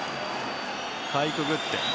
かいくぐって。